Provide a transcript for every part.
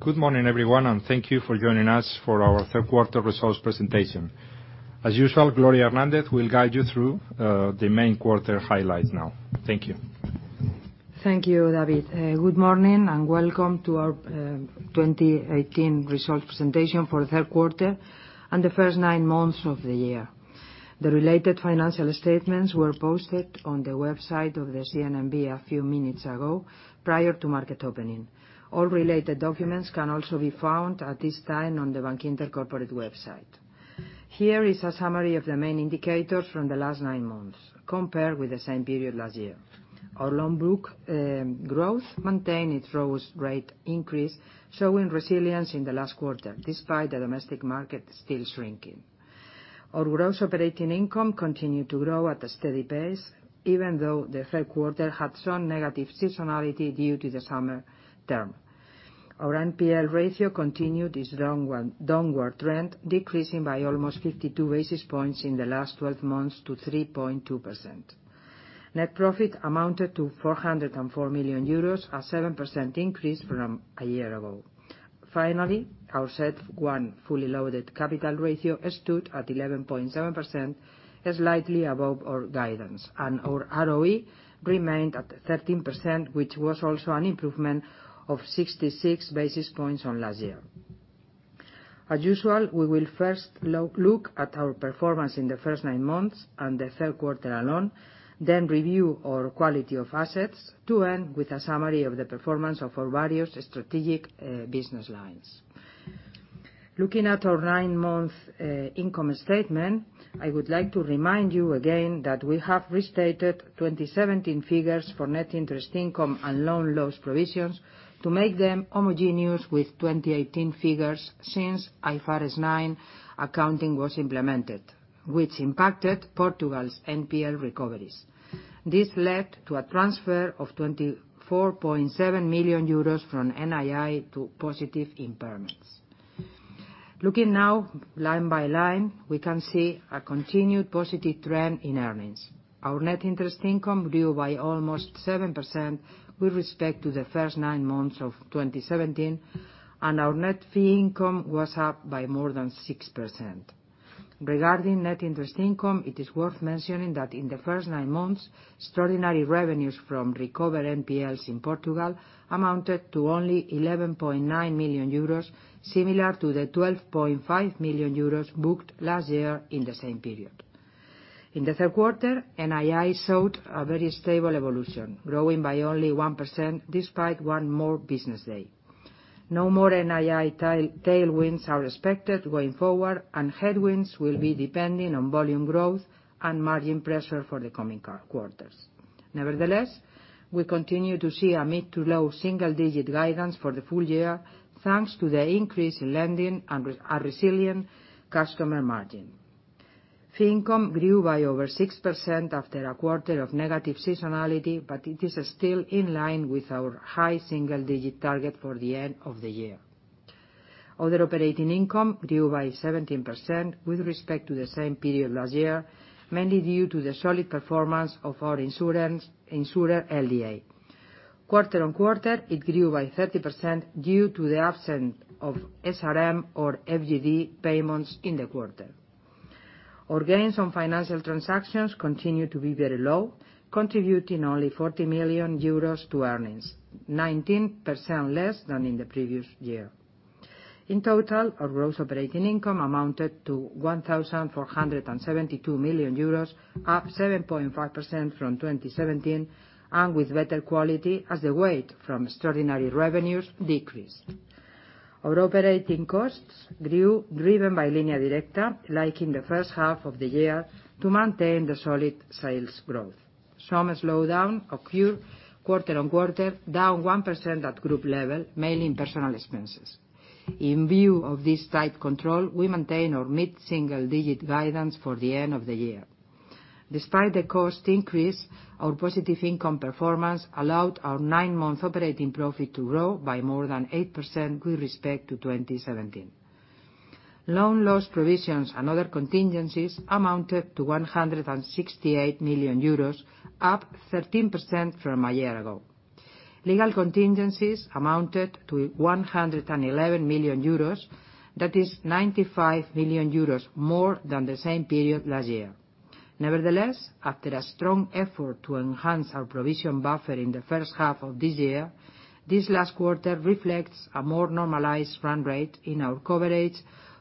Good morning, everyone, and thank you for joining us for our third quarter results presentation. As usual, Gloria Hernandez will guide you through the main quarter highlights now. Thank you. Thank you, David. Good morning, and welcome to our 2018 results presentation for the third quarter and the first nine months of the year. The related financial statements were posted on the website of the CNMV a few minutes ago, prior to market opening. All related documents can also be found at this time on the Bankinter corporate website. Here is a summary of the main indicators from the last nine months compared with the same period last year. Our loan book growth maintained its growth rate increase, showing resilience in the last quarter, despite the domestic market still shrinking. Our gross operating income continued to grow at a steady pace, even though the third quarter had some negative seasonality due to the summer term. Our NPL ratio continued its downward trend, decreasing by almost 52 basis points in the last 12 months to 3.2%. Net profit amounted to €404 million, a 7% increase from a year ago. Finally, our CET1 fully loaded capital ratio stood at 11.7%, slightly above our guidance, and our ROE remained at 13%, which was also an improvement of 66 basis points on last year. As usual, we will first look at our performance in the first nine months and the third quarter alone, then review our quality of assets, to end with a summary of the performance of our various strategic business lines. Looking at our nine-month income statement, I would like to remind you again that we have restated 2017 figures for net interest income and loan loss provisions to make them homogeneous with 2018 figures, since IFRS 9 accounting was implemented, which impacted Portugal's NPL recoveries. This led to a transfer of €24.7 million from NII to positive impairments. Looking now line by line, we can see a continued positive trend in earnings. Our net interest income grew by almost 7% with respect to the first nine months of 2017, and our net fee income was up by more than 6%. Regarding net interest income, it is worth mentioning that in the first nine months, extraordinary revenues from recovered NPLs in Portugal amounted to only €11.9 million, similar to the €12.5 million booked last year in the same period. In the third quarter, NII showed a very stable evolution, growing by only 1% despite one more business day. No more NII tailwinds are expected going forward, and headwinds will be depending on volume growth and margin pressure for the coming quarters. Nevertheless, we continue to see a mid-to-low single-digit guidance for the full year, thanks to the increase in lending and resilient customer margin. Fee income grew by over 6% after a quarter of negative seasonality, but it is still in line with our high single-digit target for the end of the year. Other operating income grew by 17% with respect to the same period last year, mainly due to the solid performance of our insurer, LDA. Quarter on quarter, it grew by 30% due to the absence of SRM or FGD payments in the quarter. Our gains on financial transactions continued to be very low, contributing only 40 million euros to earnings, 19% less than in the previous year. In total, our gross operating income amounted to 1,472 million euros, up 7.5% from 2017, and with better quality as the weight from extraordinary revenues decreased. Our operating costs grew, driven by Línea Directa, like in the first half of the year, to maintain the solid sales growth. Some slowdown occurred quarter on quarter, down 1% at group level, mainly in personal expenses. In view of this tight control, we maintain our mid-single-digit guidance for the end of the year. Despite the cost increase, our positive income performance allowed our nine-month operating profit to grow by more than 8% with respect to 2017. Loan loss provisions and other contingencies amounted to 168 million euros, up 13% from a year ago. Legal contingencies amounted to 111 million euros. That is 95 million euros more than the same period last year. Nevertheless, after a strong effort to enhance our provision buffer in the first half of this year, this last quarter reflects a more normalized run rate in our coverage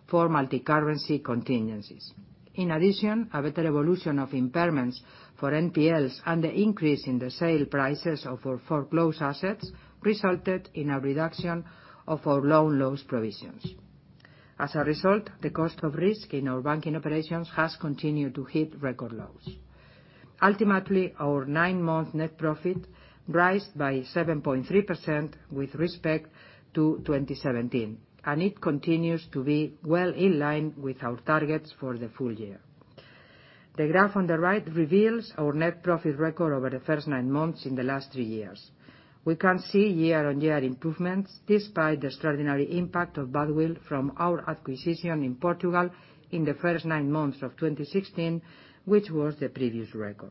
for multi-currency contingencies. In addition, a better evolution of impairments for NPLs and the increase in the sale prices of our foreclosed assets resulted in a reduction of our loan loss provisions. As a result, the cost of risk in our banking operations has continued to hit record lows. Ultimately, our nine-month net profit rised by 7.3% with respect to 2017, and it continues to be well in line with our targets for the full year. The graph on the right reveals our net profit record over the first nine months in the last three years. We can see year-on-year improvements despite the extraordinary impact of goodwill from our acquisition in Portugal in the first nine months of 2016, which was the previous record.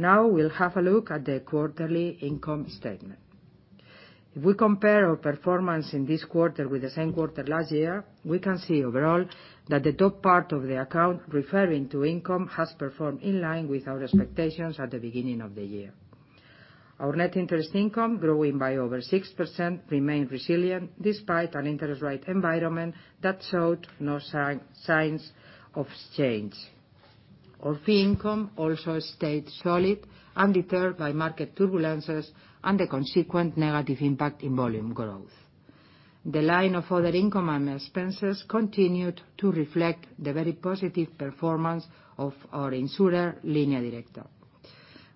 We'll have a look at the quarterly income statement. If we compare our performance in this quarter with the same quarter last year, we can see overall that the top part of the account referring to income has performed in line with our expectations at the beginning of the year. Our net interest income, growing by over 6%, remained resilient despite an interest rate environment that showed no signs of change. Our fee income also stayed solid, undeterred by market turbulences and the consequent negative impact in volume growth. The line of other income and expenses continued to reflect the very positive performance of our insurer, Línea Directa.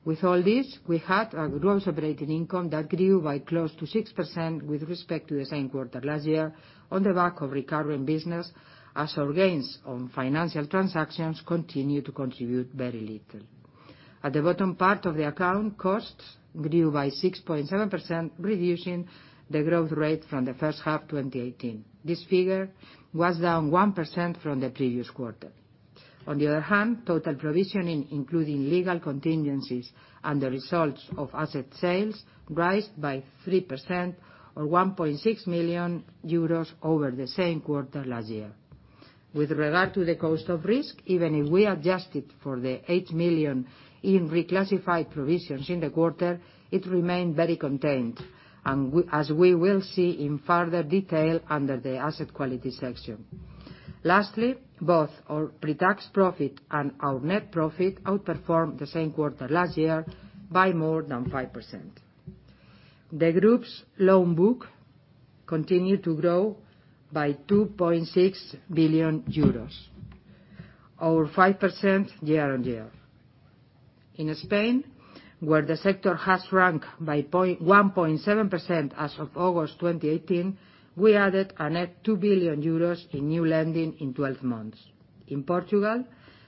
With all this, we had a gross operating income that grew by close to 6% with respect to the same quarter last year on the back of recurring business, as our gains on financial transactions continued to contribute very little. At the bottom part of the account, costs grew by 6.7%, reducing the growth rate from the first half of 2018. This figure was down 1% from the previous quarter. On the other hand, total provisioning, including legal contingencies and the results of asset sales, rose by 3%, or 1.6 million euros over the same quarter last year. With regard to the cost of risk, even if we adjusted for the 8 million in reclassified provisions in the quarter, it remained very contained, as we will see in further detail under the asset quality section. Lastly, both our pre-tax profit and our net profit outperformed the same quarter last year by more than 5%. The group's loan book continued to grow by 2.6 billion euros, or 5% year-on-year. In Spain, where the sector has shrunk by 1.7% as of August 2018, we added a net 2 billion euros in new lending in 12 months. In Portugal,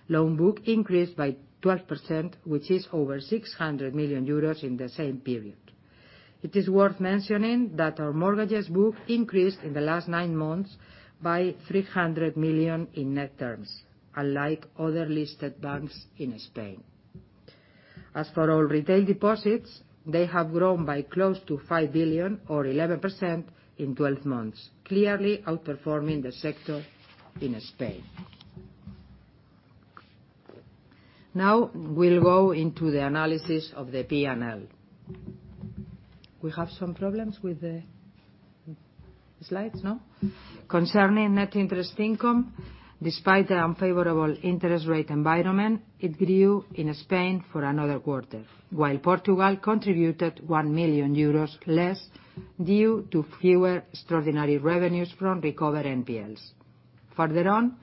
loan book increased by 12%, which is over 600 million euros in the same period. It is worth mentioning that our mortgages book increased in the last nine months by 300 million in net terms, unlike other listed banks in Spain. As for our retail deposits, they have grown by close to 5 billion or 11% in 12 months, clearly outperforming the sector in Spain. Now we'll go into the analysis of the P&L. We have some problems with the slides, no? Concerning net interest income, despite the unfavorable interest rate environment, it grew in Spain for another quarter, while Portugal contributed 1 million euros less due to fewer extraordinary revenues from recovered NPLs. Further on,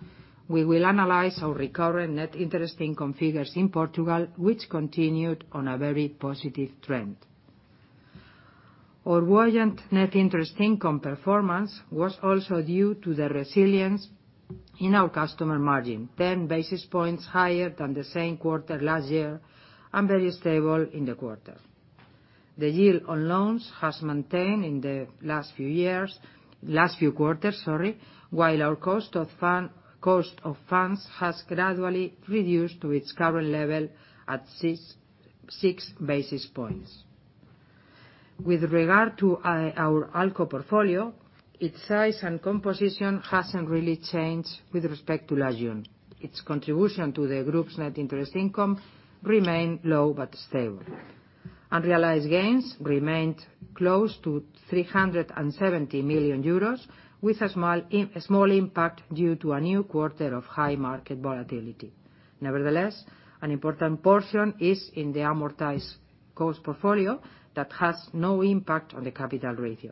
we will analyze our recovery net interest income figures in Portugal, which continued on a very positive trend. Our buoyant net interest income performance was also due to the resilience in our customer margin, 10 basis points higher than the same quarter last year and very stable in the quarter. The yield on loans has maintained in the last few quarters, while our cost of funds has gradually reduced to its current level at 6 basis points. With regard to our ALCO portfolio, its size and composition hasn't really changed with respect to last year. Its contribution to the group's net interest income remained low but stable. Unrealized gains remained close to 370 million euros, with a small impact due to a new quarter of high market volatility. Nevertheless, an important portion is in the amortized cost portfolio that has no impact on the capital ratio.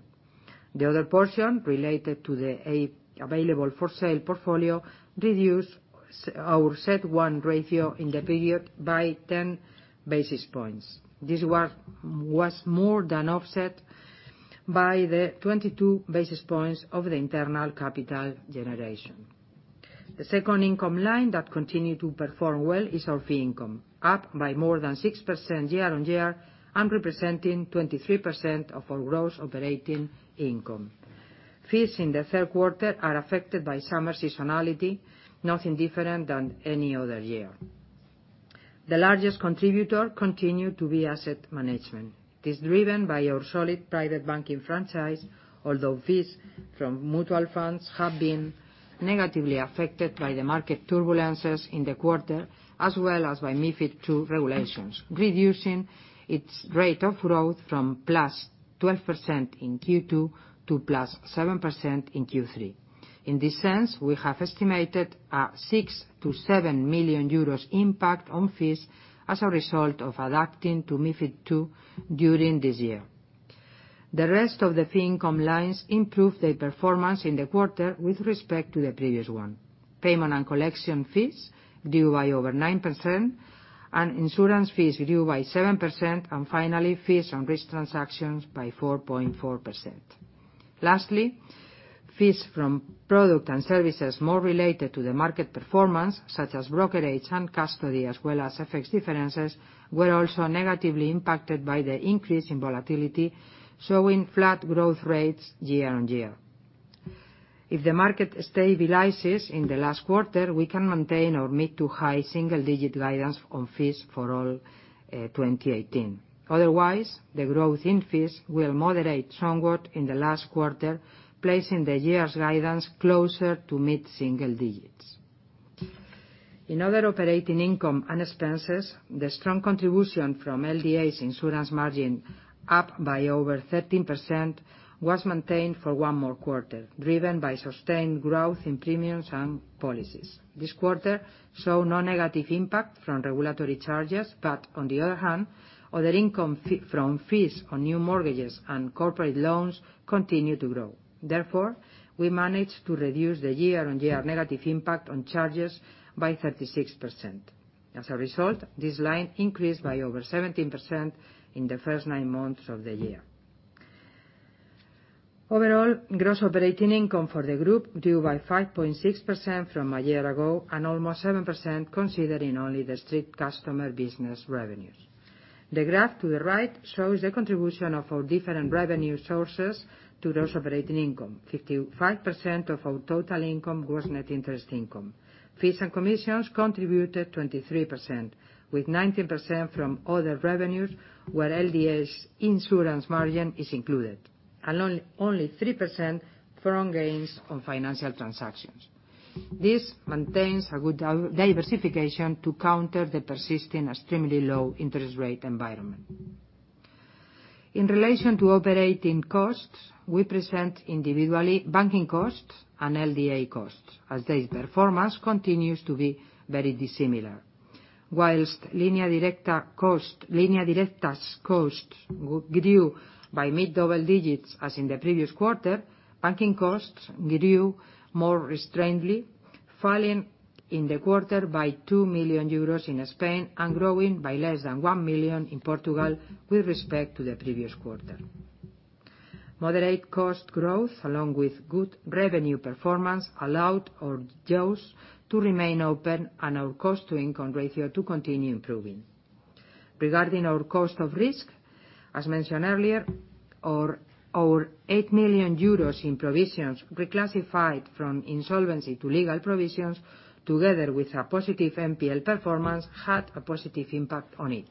The other portion, related to the available-for-sale portfolio, reduced our CET1 ratio in the period by 10 basis points. This was more than offset by the 22 basis points of the internal capital generation. The second income line that continued to perform well is our fee income, up by more than 6% year-on-year and representing 23% of our gross operating income. Fees in the third quarter are affected by summer seasonality, nothing different than any other year. The largest contributor continued to be asset management. It is driven by our solid private banking franchise, although fees from mutual funds have been negatively affected by the market turbulences in the quarter, as well as by MiFID II regulations, reducing its rate of growth from +12% in Q2 to +7% in Q3. In this sense, we have estimated a 6 million to 7 million euros impact on fees as a result of adapting to MiFID II during this year. The rest of the fee income lines improved their performance in the quarter with respect to the previous one. Payment and collection fees grew by over 9%, insurance fees grew by 7%, and finally, fees on risk transactions by 4.4%. Lastly, fees from product and services more related to the market performance, such as brokerage and custody, as well as FX differences, were also negatively impacted by the increase in volatility, showing flat growth rates year-on-year. If the market stabilizes in the last quarter, we can maintain our mid to high single-digit guidance on fees for all 2018. Otherwise, the growth in fees will moderate somewhat in the last quarter, placing the year's guidance closer to mid single digits. In other operating income and expenses, the strong contribution from LDA's insurance margin, up by over 13%, was maintained for one more quarter, driven by sustained growth in premiums and policies. This quarter saw no negative impact from regulatory charges. On the other hand, other income from fees on new mortgages and corporate loans continued to grow. Therefore, we managed to reduce the year-on-year negative impact on charges by 36%. As a result, this line increased by over 17% in the first nine months of the year. Overall, gross operating income for the group grew by 5.6% from a year ago, and almost 7% considering only the strict customer business revenues. The graph to the right shows the contribution of our different revenue sources to gross operating income. 55% of our total income, gross net interest income. Fees and commissions contributed 23%, with 19% from other revenues, where LDA's insurance margin is included, and only 3% from gains on financial transactions. This maintains a good diversification to counter the persisting extremely low interest rate environment. In relation to operating costs, we present individually banking costs and LDA costs, as their performance continues to be very dissimilar. Whilst Línea Directa's costs grew by mid double digits as in the previous quarter, banking costs grew more restrainedly, falling in the quarter by 2 million euros in Spain and growing by less than 1 million in Portugal with respect to the previous quarter. Moderate cost growth, along with good revenue performance, allowed our doors to remain open and our cost-to-income ratio to continue improving. Regarding our cost of risk, as mentioned earlier, our 8 million euros in provisions reclassified from insolvency to legal provisions, together with a positive NPL performance, had a positive impact on it.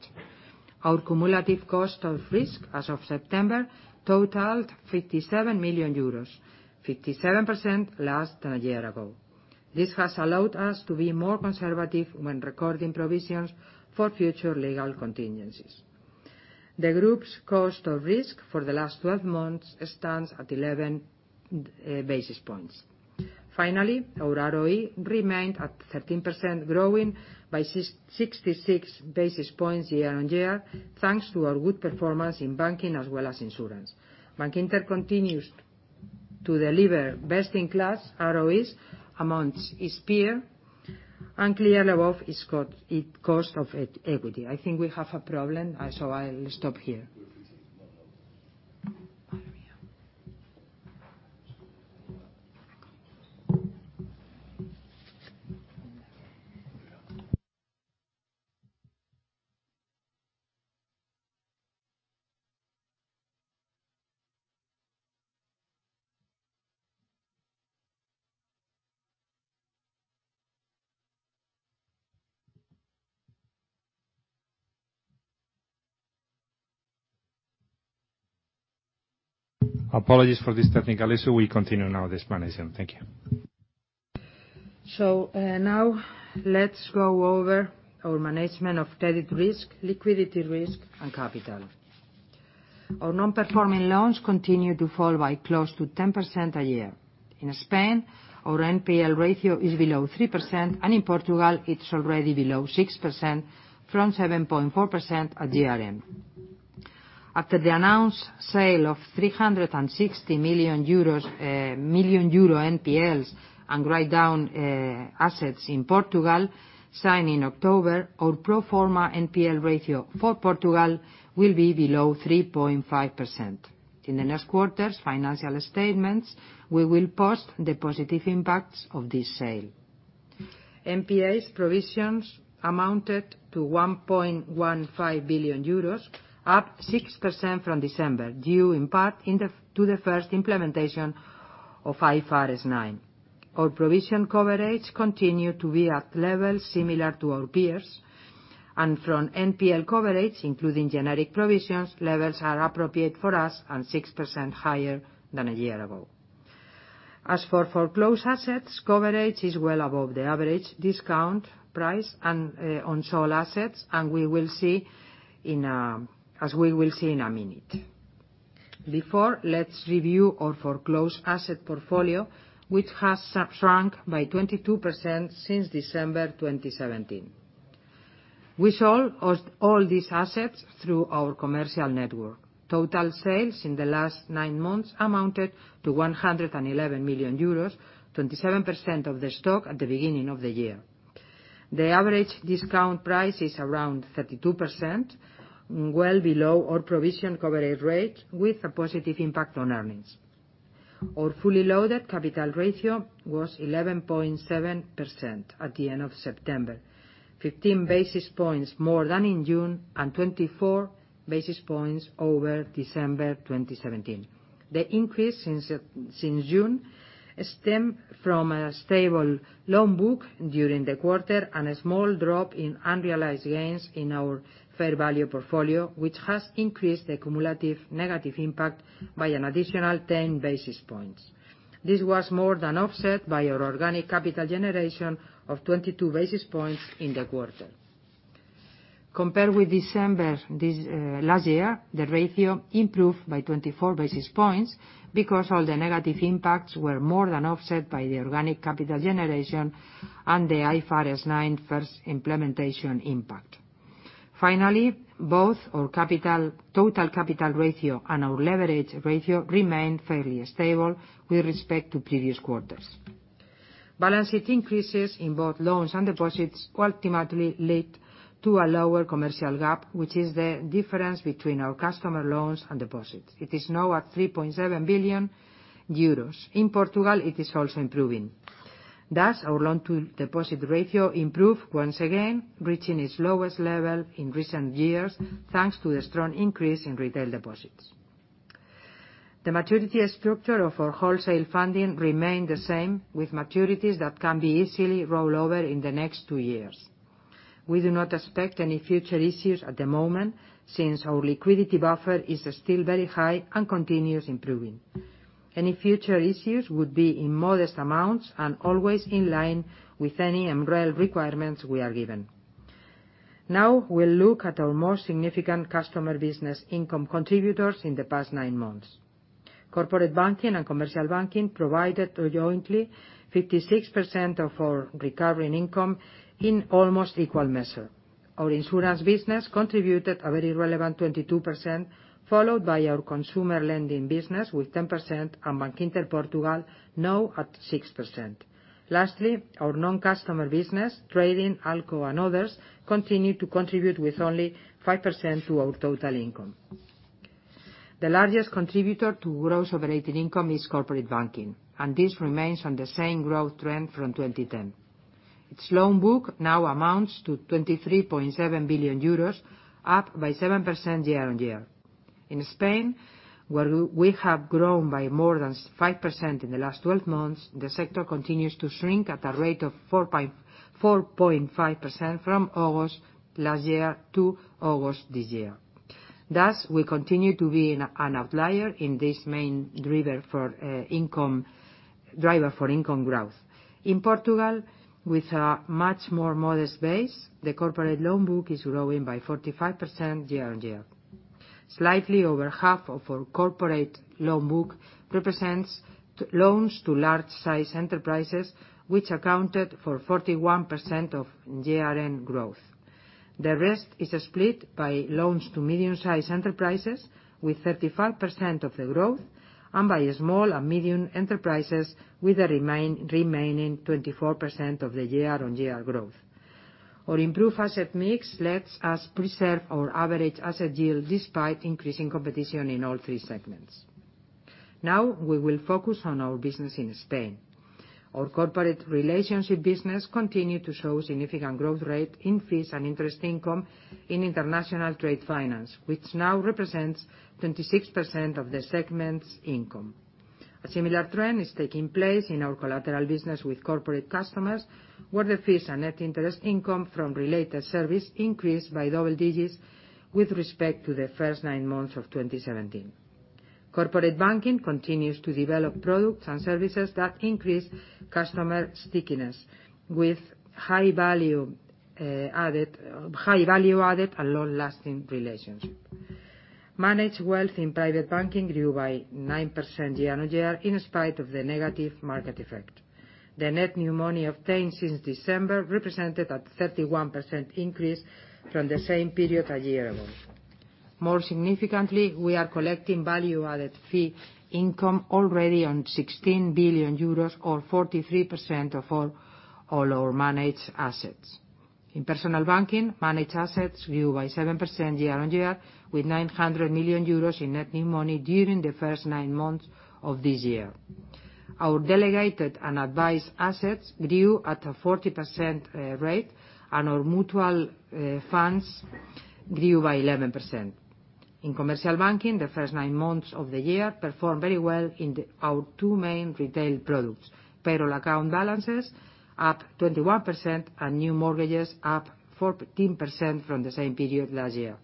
Our cumulative cost of risk as of September totaled 57 million euros, 57% less than a year ago. This has allowed us to be more conservative when recording provisions for future legal contingencies. The group's cost of risk for the last 12 months stands at 11 basis points. Finally, our ROE remained at 13%, growing by 66 basis points year-on-year, thanks to our good performance in banking as well as insurance. Bankinter continues to deliver best-in-class ROEs amongst its peer and clear above its cost of equity. I think we have a problem, I'll stop here. Apologies for this technical issue. We continue now this management. Thank you. Now let's go over our management of credit risk, liquidity risk, and capital. Our non-performing loans continue to fall by close to 10% a year. In Spain, our NPL ratio is below 3%, and in Portugal, it's already below 6% from 7.4% at year-end. After the announced sale of 360 million euros NPLs and write down assets in Portugal signed in October, our pro forma NPL ratio for Portugal will be below 3.5%. In the next quarter's financial statements, we will post the positive impacts of this sale. NPA's provisions amounted to 1.15 billion euros, up 6% from December, due in part to the first implementation of IFRS 9. Our provision coverage continued to be at levels similar to our peers, and from NPL coverage, including generic provisions, levels are appropriate for us and 6% higher than a year ago. As for foreclosed assets, coverage is well above the average discount price on sold assets, as we will see in a minute. Before, let's review our foreclosed asset portfolio, which has shrunk by 22% since December 2017. We sold all these assets through our commercial network. Total sales in the last nine months amounted to 111 million euros, 27% of the stock at the beginning of the year. The average discount price is around 32%, well below our provision coverage rate, with a positive impact on earnings. Our fully loaded capital ratio was 11.7% at the end of September, 15 basis points more than in June and 24 basis points over December 2017. The increase since June stemmed from a stable loan book during the quarter and a small drop in unrealized gains in our fair value portfolio, which has increased the cumulative negative impact by an additional 10 basis points. This was more than offset by our organic capital generation of 22 basis points in the quarter. Compared with December last year, the ratio improved by 24 basis points because all the negative impacts were more than offset by the organic capital generation and the IFRS 9 first implementation impact. Finally, both our total capital ratio and our leverage ratio remained fairly stable with respect to previous quarters. Balance sheet increases in both loans and deposits ultimately led to a lower commercial gap, which is the difference between our customer loans and deposits. It is now at 3.7 billion euros. In Portugal, it is also improving. Thus, our loan-to-deposit ratio improved once again, reaching its lowest level in recent years, thanks to the strong increase in retail deposits. The maturity structure of our wholesale funding remained the same, with maturities that can be easily rolled over in the next two years. We do not expect any future issues at the moment, since our liquidity buffer is still very high and continues improving. Any future issues would be in modest amounts and always in line with any MREL requirements we are given. Now we will look at our most significant customer business income contributors in the past nine months. Corporate banking and commercial banking provided jointly 56% of our recurring income in almost equal measure. Our insurance business contributed a very relevant 22%, followed by our consumer lending business with 10% and Bankinter Portugal now at 6%. Lastly, our non-customer business, trading, ALCO, and others, continue to contribute with only 5% to our total income. The largest contributor to gross operating income is corporate banking, and this remains on the same growth trend from 2010. Its loan book now amounts to 23.7 billion euros, up by 7% year-on-year. In Spain, where we have grown by more than 5% in the last 12 months, the sector continues to shrink at a rate of 4.5% from August last year to August this year. Thus, we continue to be an outlier in this main driver for income growth. In Portugal, with a much more modest base, the corporate loan book is growing by 45% year-on-year. Slightly over half of our corporate loan book represents loans to large-size enterprises, which accounted for 41% of year-on-year growth. The rest is split by loans to medium-size enterprises with 35% of the growth, and by small and medium enterprises with the remaining 24% of the year-on-year growth. Our improved asset mix lets us preserve our average asset yield despite increasing competition in all three segments. Now we will focus on our business in Spain. Our corporate relationship business continued to show significant growth rate in fees and interest income in international trade finance, which now represents 26% of the segment's income. A similar trend is taking place in our collateral business with corporate customers, where the fees and net interest income from related service increased by double digits with respect to the first nine months of 2017. Corporate banking continues to develop products and services that increase customer stickiness with high value added and long-lasting relationships. Managed wealth in private banking grew by 9% year-on-year in spite of the negative market effect. The net new money obtained since December represented a 31% increase from the same period a year ago. More significantly, we are collecting value-added fee income already on 16 billion euros or 43% of all our managed assets. In personal banking, managed assets grew by 7% year-on-year, with 900 million euros in net new money during the first nine months of this year. Our delegated and advised assets grew at a 40% rate, and our mutual funds grew by 11%. In commercial banking, the first nine months of the year performed very well in our two main retail products. Payroll account balances up 21% and new mortgages up 14% from the same period last year.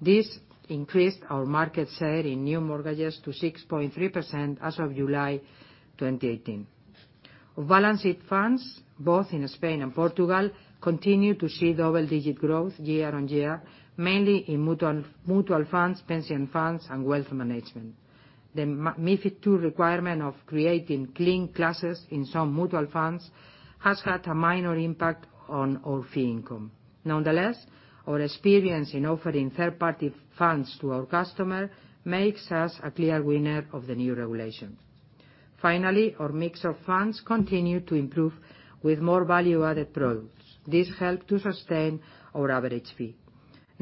This increased our market share in new mortgages to 6.3% as of July 2018. Balance sheet funds, both in Spain and Portugal, continue to see double-digit growth year-on-year, mainly in mutual funds, pension funds, and wealth management. The MiFID II requirement of creating clean classes in some mutual funds has had a minor impact on our fee income. Nonetheless, our experience in offering third-party funds to our customers makes us a clear winner of the new regulation. Finally, our mix of funds continued to improve with more value-added products. This helped to sustain our average fee.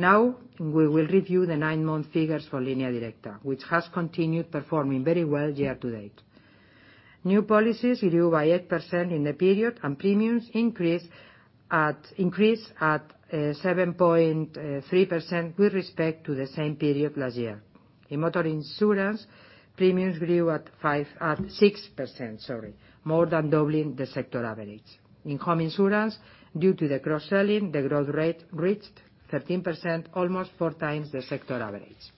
Now we will review the nine-month figures for Línea Directa, which has continued performing very well year to date. New policies grew by 8% in the period, and premiums increased at 7.3% with respect to the same period last year. In motor insurance, premiums grew at 6%, more than doubling the sector average. In home insurance, due to the cross-selling, the growth rate reached 13%, almost four times the sector average.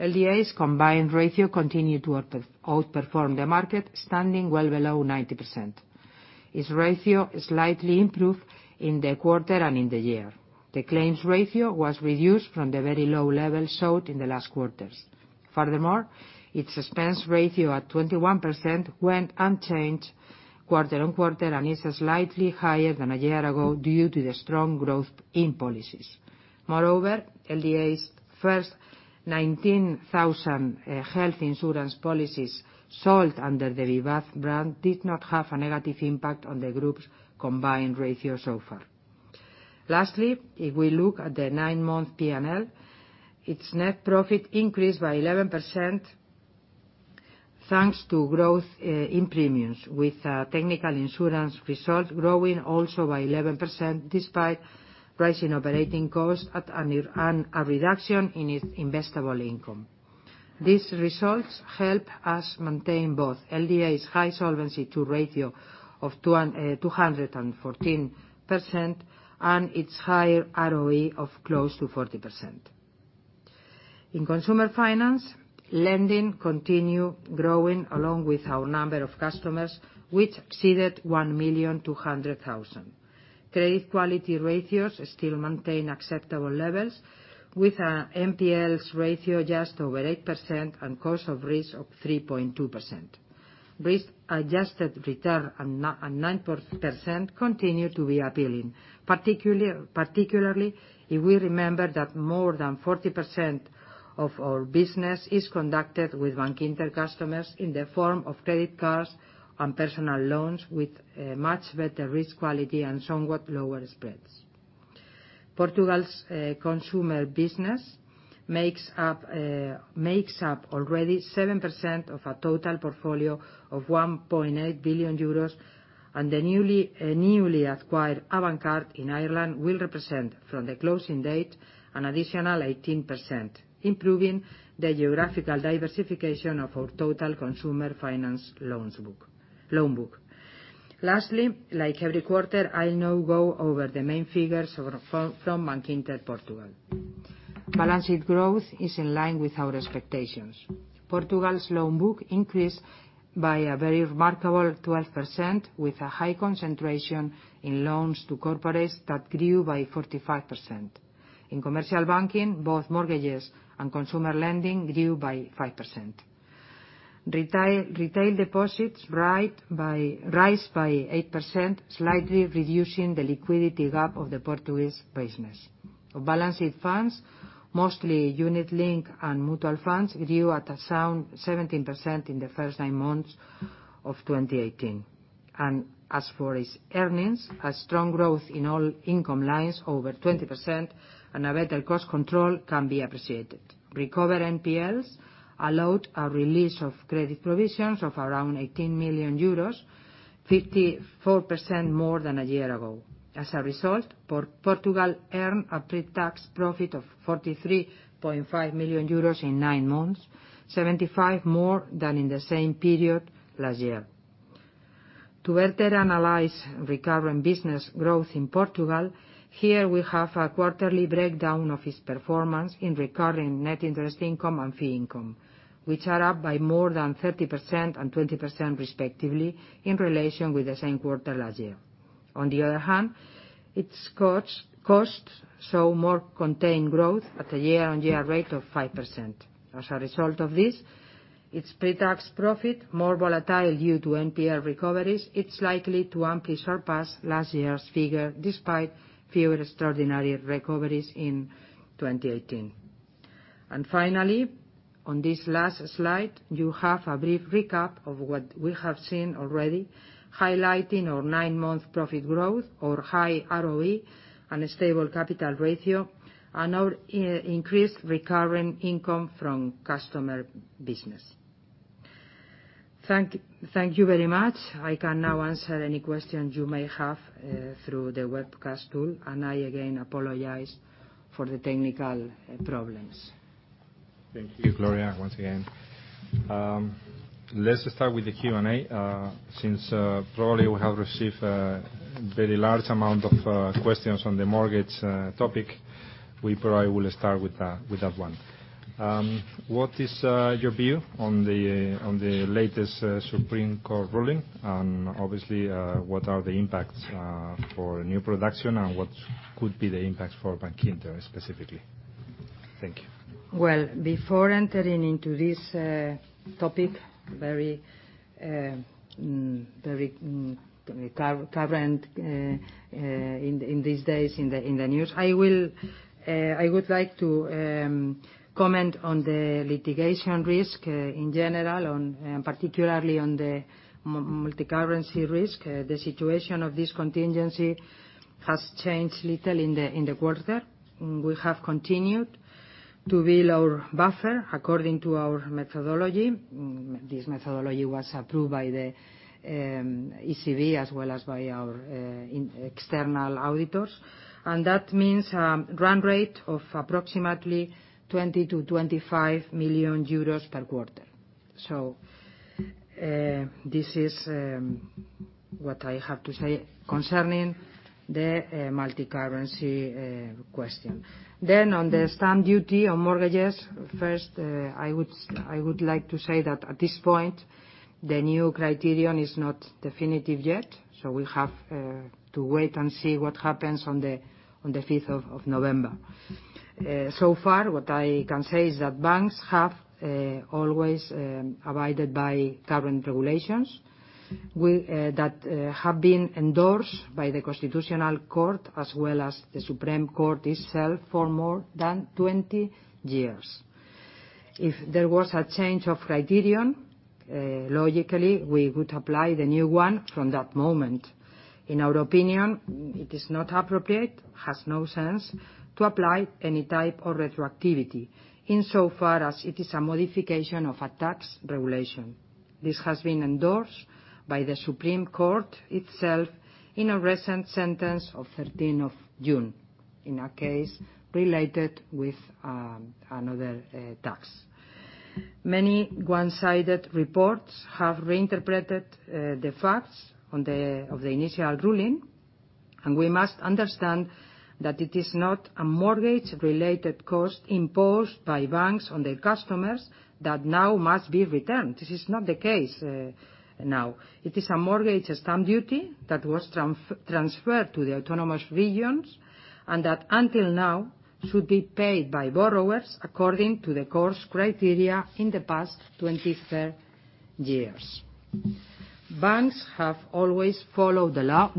LDA's combined ratio continued to outperform the market, standing well below 90%. Its ratio slightly improved in the quarter and in the year. The claims ratio was reduced from the very low level showed in the last quarters. Furthermore, its expense ratio at 21% went unchanged quarter-on-quarter and is slightly higher than a year ago due to the strong growth in policies. Moreover, LDA's first 19,000 health insurance policies sold under the Vivaz brand did not have a negative impact on the group's combined ratio so far. Lastly, if we look at the nine-month P&L, its net profit increased by 11% thanks to growth in premiums, with technical insurance results growing also by 11%, despite rising operating costs and a reduction in its investable income. These results help us maintain both LDA's high Solvency II ratio of 214% and its higher ROE of close to 40%. In consumer finance, lending continued growing along with our number of customers, which exceeded 1,200,000. Credit quality ratios still maintain acceptable levels, with an NPLs ratio just over 8% and cost of risk of 3.2%. Risk-adjusted return at 9% continue to be appealing, particularly if we remember that more than 40% of our business is conducted with Bankinter customers in the form of credit cards and personal loans, with much better risk quality and somewhat lower spreads. Portugal's consumer business makes up already 7% of a total portfolio of 1.8 billion euros, and the newly acquired Avantcard in Ireland will represent, from the closing date, an additional 18%, improving the geographical diversification of our total consumer finance loan book. Lastly, like every quarter, I'll now go over the main figures from Bankinter Portugal. Balance sheet growth is in line with our expectations. Portugal's loan book increased by a very remarkable 12%, with a high concentration in loans to corporates that grew by 45%. In commercial banking, both mortgages and consumer lending grew by 5%. Retail deposits rise by 8%, slightly reducing the liquidity gap of the Portuguese business. Balance sheet funds, mostly unit-linked and mutual funds, grew at a sound 17% in the first nine months of 2018. As for its earnings, a strong growth in all income lines over 20% and a better cost control can be appreciated. Recover NPLs allowed a release of credit provisions of around 18 million euros, 54% more than a year ago. As a result, Portugal earned a pretax profit of 43.5 million euros in nine months, 75 million more than in the same period last year. To better analyze recurring business growth in Portugal, here we have a quarterly breakdown of its performance in recurring net interest income and fee income, which are up by more than 30% and 20%, respectively, in relation with the same quarter last year. On the other hand, its costs saw more contained growth at a year-on-year rate of 5%. As a result of this, its pretax profit, more volatile due to NPL recoveries, it's likely to amply surpass last year's figure, despite fewer extraordinary recoveries in 2018. Finally, on this last slide, you have a brief recap of what we have seen already, highlighting our nine-month profit growth, our high ROE, and a stable capital ratio, and our increased recurring income from customer business. Thank you very much. I can now answer any questions you may have through the webcast tool. I again apologize for the technical problems. Thank you, Gloria, once again. Let's start with the Q&A. Since probably we have received a very large amount of questions on the mortgage topic, we probably will start with that one. What is your view on the latest Supreme Court ruling? Obviously, what are the impacts for new production, and what could be the impact for Bankinter specifically? Thank you. Well, before entering into this topic very current in these days in the news. I would like to comment on the litigation risk in general, and particularly on the multi-currency risk. The situation of this contingency has changed little in the quarter. We have continued to build our buffer according to our methodology. This methodology was approved by the ECB as well as by our external auditors, that means a run rate of approximately 20 million-25 million euros per quarter. This is what I have to say concerning the multi-currency question. On the stamp duty on mortgages. First, I would like to say that at this point, the new criterion is not definitive yet, we'll have to wait and see what happens on the 5th of November. So far, what I can say is that banks have always abided by current regulations that have been endorsed by the Constitutional Court, as well as the Supreme Court itself, for more than 20 years. If there was a change of criterion, logically, we would apply the new one from that moment. In our opinion, it is not appropriate, has no sense, to apply any type of retroactivity, insofar as it is a modification of a tax regulation. This has been endorsed by the Supreme Court itself in a recent sentence of 13 of June in a case related with another tax. Many one-sided reports have reinterpreted the facts of the initial ruling, we must understand that it is not a mortgage-related cost imposed by banks on their customers that now must be returned. This is not the case now. It is a mortgage stamp duty that was transferred to the autonomous regions and that, until now, should be paid by borrowers according to the court's criteria in the past 23 years. Banks have always followed the law,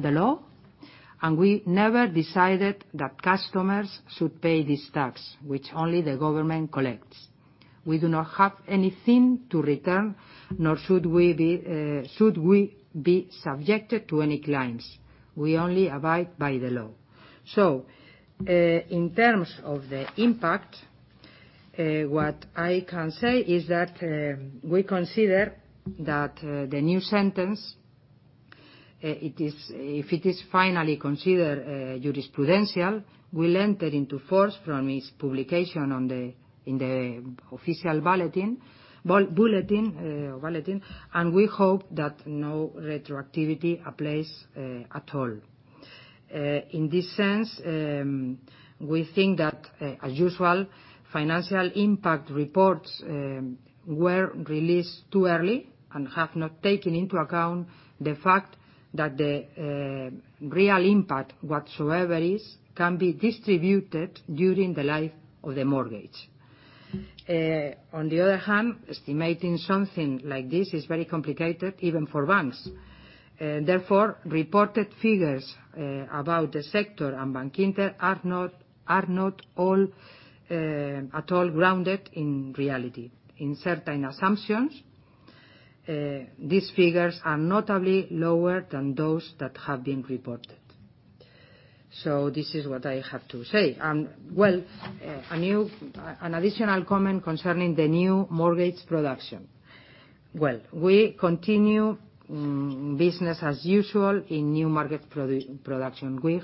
and we never decided that customers should pay this tax, which only the government collects. We do not have anything to return, nor should we be subjected to any claims. We only abide by the law. In terms of the impact, what I can say is that we consider that the new sentence, if it is finally considered jurisprudential, will enter into force from its publication in the official bulletin, and we hope that no retroactivity applies at all. In this sense, we think that, as usual, financial impact reports were released too early and have not taken into account the fact that the real impact, whatsoever is, can be distributed during the life of the mortgage. On the other hand, estimating something like this is very complicated, even for banks. Therefore, reported figures about the sector and Bankinter are not at all grounded in reality. In certain assumptions, these figures are notably lower than those that have been reported. This is what I have to say. Well, an additional comment concerning the new mortgage production. Well, we continue business as usual in new mortgage production. We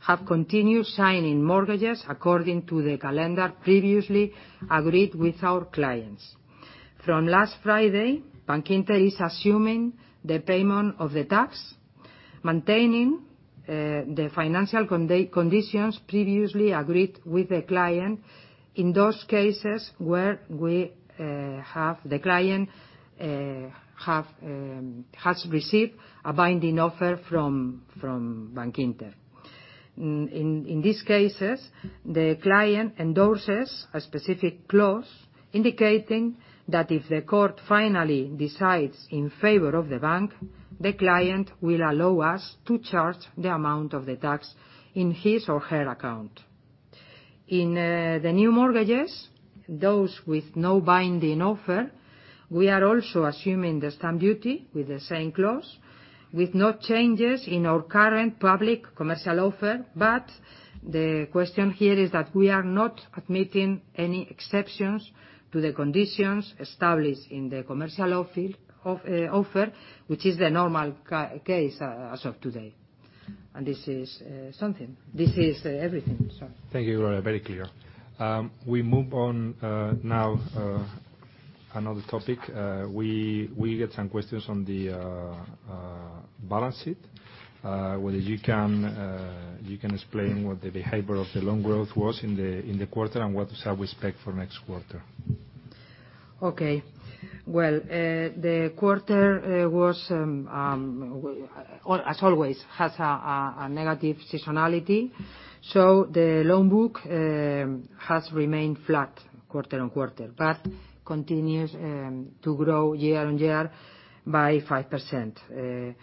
have continued signing mortgages according to the calendar previously agreed with our clients. From last Friday, Bankinter is assuming the payment of the tax, maintaining the financial conditions previously agreed with the client in those cases where the client has received a binding offer from Bankinter. In these cases, the client endorses a specific clause indicating that if the court finally decides in favor of the bank, the client will allow us to charge the amount of the tax in his or her account. In the new mortgages, those with no binding offer, we are also assuming the stamp duty with the same clause, with no changes in our current public commercial offer. The question here is that we are not admitting any exceptions to the conditions established in the commercial offer, which is the normal case as of today. This is everything. Sorry. Thank you, Gloria. Very clear. We move on now. Another topic. We get some questions on the balance sheet. Whether you can explain what the behavior of the loan growth was in the quarter and what shall we expect for next quarter. Well, the quarter, as always, has a negative seasonality. The loan book has remained flat quarter-on-quarter, but continues to grow year-on-year by 5%. The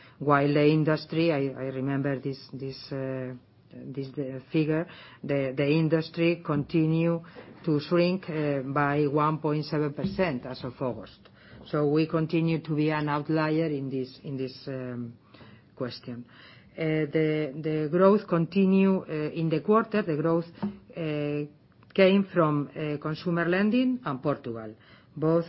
industry continued to shrink by 1.7% as of August. We continue to be an outlier in this question. The growth continued in the quarter, the growth came from consumer lending and Portugal. Both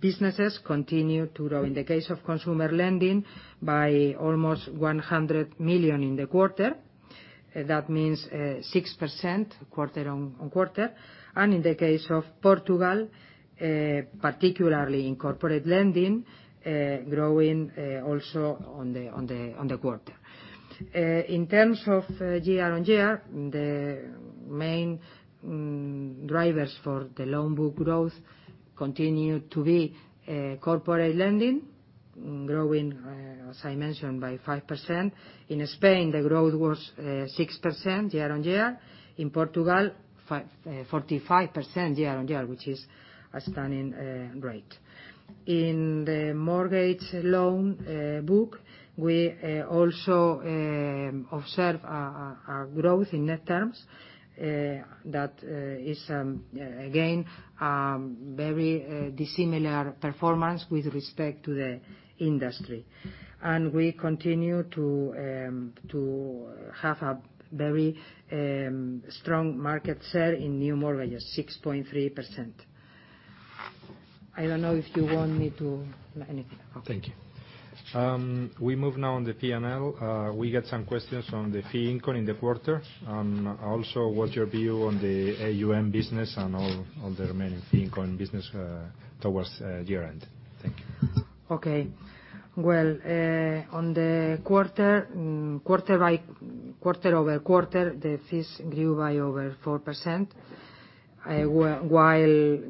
businesses continue to grow. In the case of consumer lending, by almost 100 million in the quarter. That means 6% quarter-on-quarter. In the case of Portugal, particularly in corporate lending, growing also in the quarter. In terms of year-on-year, the main drivers for the loan book growth continue to be corporate lending, growing, as I mentioned, by 5%. In Spain, the growth was 6% year-on-year. In Portugal, 45% year-on-year, which is a stunning rate. In the mortgage loan book, we also observe a growth in net terms that is, again, very dissimilar performance with respect to the industry. We continue to have a very strong market share in new mortgages, 6.3%. I don't know if you want me to add anything. Thank you. We move now to the P&L. We get some questions on the fee income in the quarter. Also, what is your view on the AUM business and on the remaining fee income business towards year-end. Thank you. Well, on the quarter-over-quarter, the fees grew by over 4%, while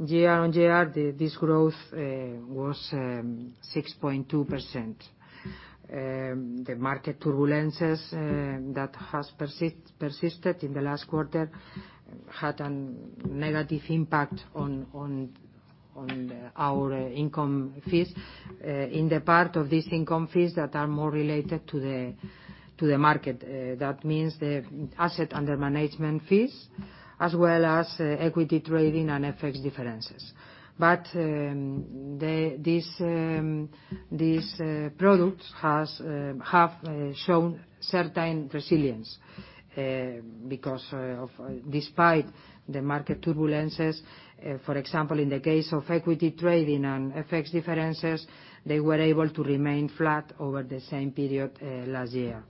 year-on-year, this growth was 6.2%. The market turbulences that have persisted in the last quarter had a negative impact on our income fees, in the part of these income fees that are more related to the market. That means the asset under management fees, as well as equity trading and FX differences. These products have shown certain resilience despite the market turbulences. For example, in the case of equity trading and FX differences, they were able to remain flat over the same period last year.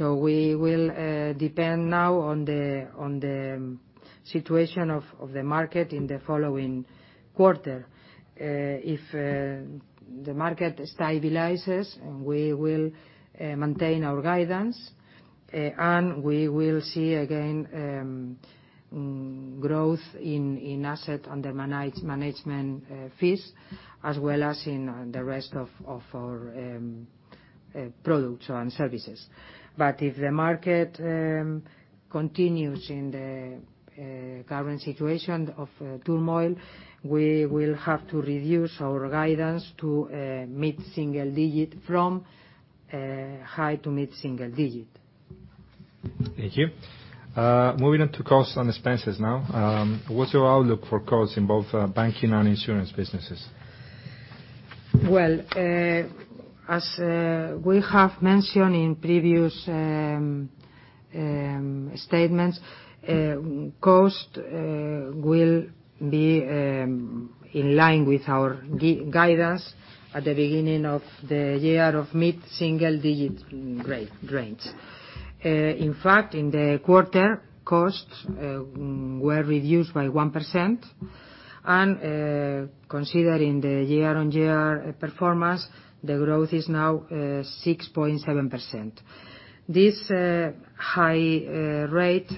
We will depend now on the situation of the market in the following quarter. If the market stabilizes, we will maintain our guidance, and we will see, again, growth in asset under management fees, as well as in the rest of our products and services. If the market continues in the current situation of turmoil, we will have to reduce our guidance to mid-single digit from high to mid-single digit. Thank you. Moving on to costs and expenses now. What's your outlook for costs in both banking and insurance businesses? Well, as we have mentioned in previous statements, cost will be in line with our guidance at the beginning of the year of mid-single digit range. In fact, in the quarter, costs were reduced by 1%, and considering the year-on-year performance, the growth is now 6.7%. This high rate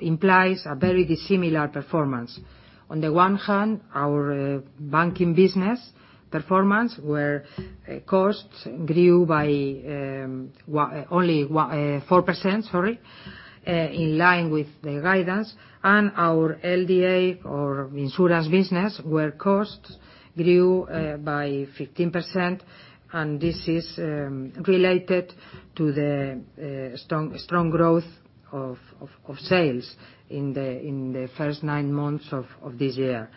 implies a very dissimilar performance. On the one hand, our banking business performance, where costs grew by only 4%, sorry, in line with the guidance, and our LDA or insurance business, where costs grew by 15%, and this is related to the strong growth of sales in the first nine months of this year.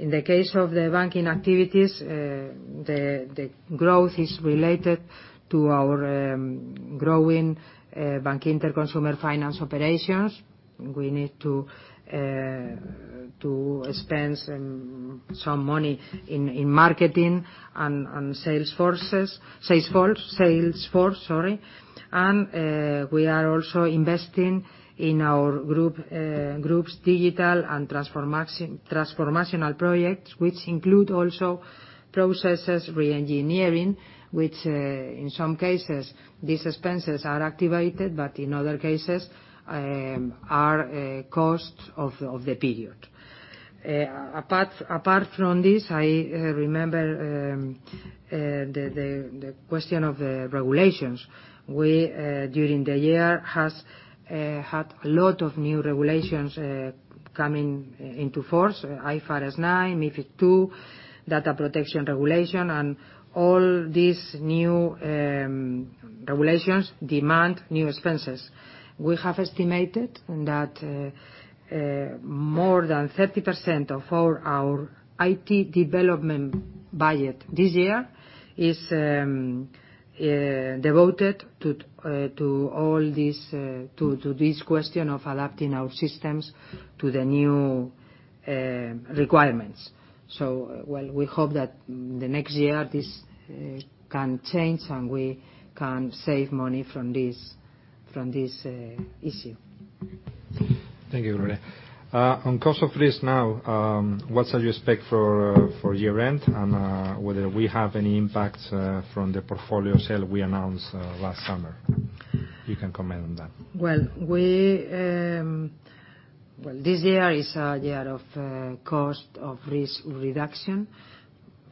In the case of the banking activities, the growth is related to our growing Bankinter Consumer Finance operations. We need to spend some money in marketing and sales force, sorry. We are also investing in our group's digital and transformational projects, which include also processes re-engineering, which, in some cases, these expenses are activated, but in other cases, are costs of the period. Apart from this, I remember the question of the regulations. We, during the year, had a lot of new regulations coming into force, IFRS 9, MiFID II, data protection regulation, and all these new regulations demand new expenses. We have estimated that more than 30% of all our IT development budget this year is devoted to this question of adapting our systems to the new requirements. We hope that the next year this can change, and we can save money from this issue. Thank you, Gloria. On cost of risk now, what are your specs for year-end, whether we have any impact from the portfolio sale we announced last summer? You can comment on that. Well, this year is a year of cost of risk reduction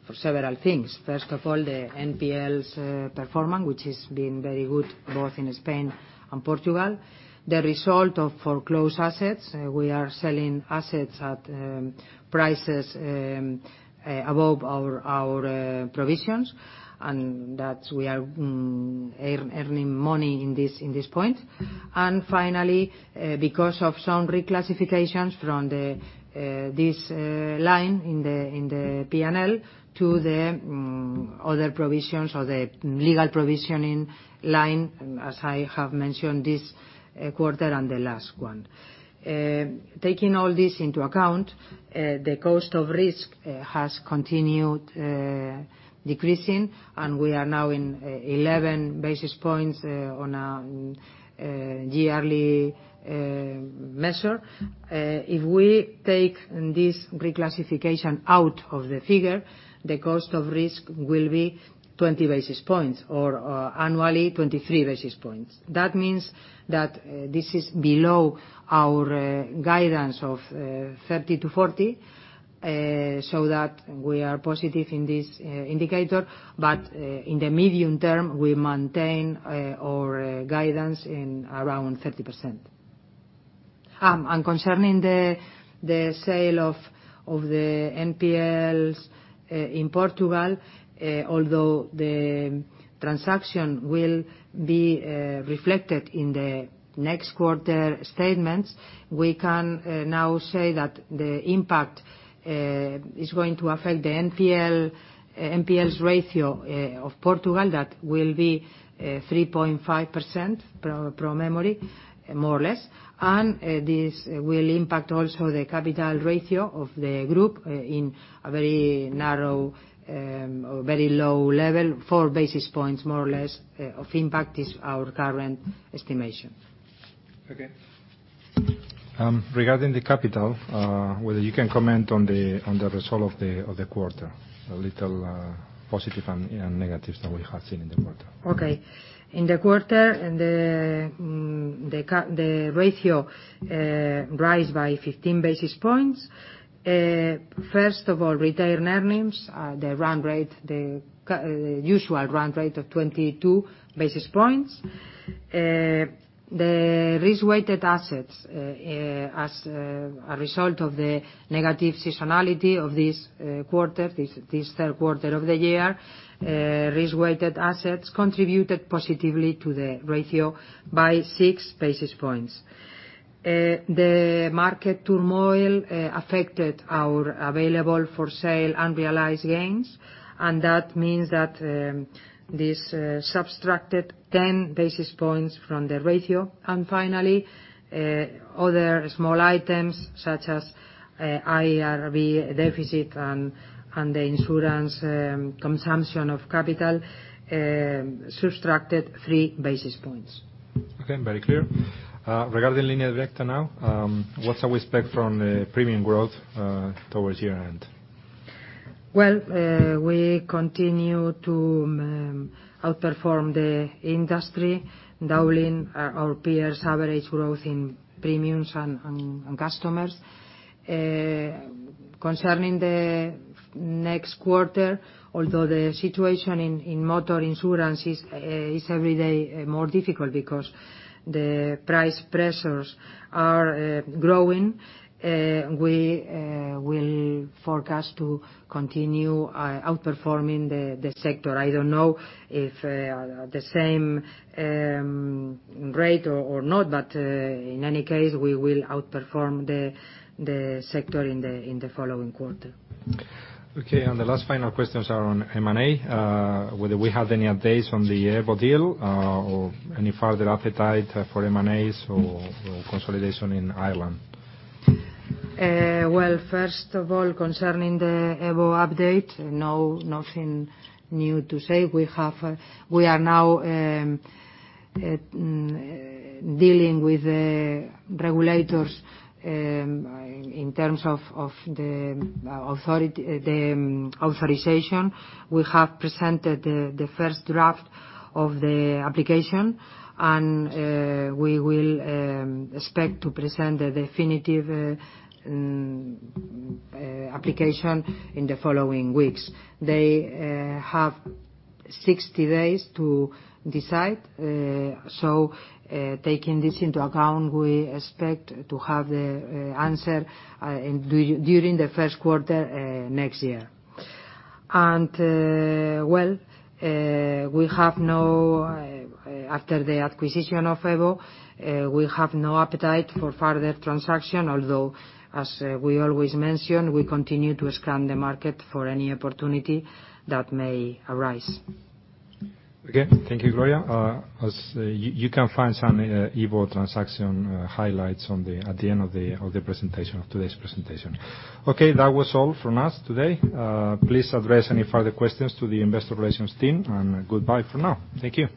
for several things. First of all, the NPLs performance, which has been very good both in Spain and Portugal. The result of foreclosed assets, we are selling assets at prices above our provisions, that we are earning money in this point. Finally, because of some reclassifications from this line in the P&L to the other provisions or the legal provisioning line, as I have mentioned this quarter and the last one. Taking all this into account, the cost of risk has continued decreasing, we are now in 11 basis points on a yearly measure. If we take this reclassification out of the figure, the cost of risk will be 20 basis points, or annually 23 basis points. That means that this is below our guidance of 30%-40%, that we are positive in this indicator. In the medium term, we maintain our guidance in around 30%. Concerning the sale of the NPLs in Portugal, although the transaction will be reflected in the next quarter statements, we can now say that the impact is going to affect the NPLs ratio of Portugal. That will be 3.5% pro memory, more or less. This will impact also the capital ratio of the group in a very low level, four basis points, more or less, of impact is our current estimation. Okay. Regarding the capital, whether you can comment on the result of the quarter, a little positives and negatives that we have seen in the quarter. Okay. In the quarter, the ratio rose by 15 basis points. First of all, retained earnings, the usual run rate of 22 basis points. The risk-weighted assets as a result of the negative seasonality of this quarter, this third quarter of the year, risk-weighted assets contributed positively to the ratio by six basis points. The market turmoil affected our available for sale unrealized gains, that means that this subtracted 10 basis points from the ratio. Finally, other small items such as IRB deficit and the insurance consumption of capital subtracted three basis points. Okay, very clear. Regarding Línea Directa now, what's our spec from premium growth towards year-end? Well, we continue to outperform the industry, doubling our peers' average growth in premiums and customers. Concerning the next quarter, although the situation in motor insurance is every day more difficult because the price pressures are growing, we will forecast to continue outperforming the sector. I don't know if the same rate or not, but in any case, we will outperform the sector in the following quarter. Okay, the last final questions are on M&A, whether we have any updates on the EVO deal or any further appetite for M&As or consolidation in Ireland. Well, first of all, concerning the EVO update, no, nothing new to say. We are now dealing with the regulators in terms of the authorization. We have presented the first draft of the application, and we will expect to present the definitive application in the following weeks. They have 60 days to decide. Taking this into account, we expect to have the answer during the first quarter next year. After the acquisition of EVO, we have no appetite for further transaction, although, as we always mention, we continue to scan the market for any opportunity that may arise. Okay. Thank you, Gloria. You can find some EVO transaction highlights at the end of today's presentation. Okay, that was all from us today. Please address any further questions to the investor relations team, and goodbye for now. Thank you.